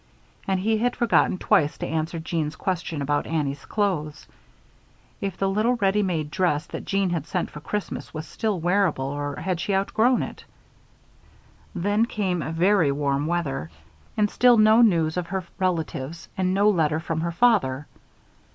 And he had forgotten twice to answer Jeanne's question about Annie's clothes; if the little ready made dress that Jeanne had sent for Christmas was still wearable or had she outgrown it. Then came very warm weather, and still no real news of her relatives and no letter from her father.